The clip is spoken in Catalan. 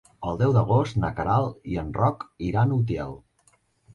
El deu d'agost na Queralt i en Roc iran a Utiel.